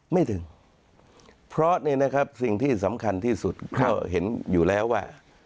ไม่ถึงเพราะนี่นะครับสิ่งที่สำคัญที่สุดก็เห็นอยู่แล้วว่า